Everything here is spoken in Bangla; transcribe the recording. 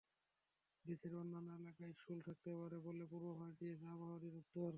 দেশের অন্যান্য এলাকা শুষ্ক থাকতে পারে বলে পূর্বাভাস দিয়েছে আবহাওয়া অধিদপ্তর।